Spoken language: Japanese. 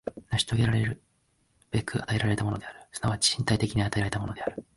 成し遂げらるべく与えられたものである、即ち身体的に与えられたものである。